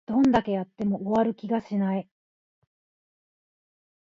どんだけやっても終わる気がしない